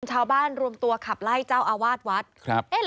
ชาวบ้านรวมตัวขับไล่เจ้าอาวาสวัสดิ์